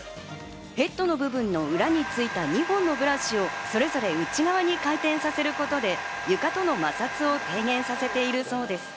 ヘッドの部分の裏に付いた２本のブラシをそれぞれ内側に回転させることで床との摩擦を低減させているそうです。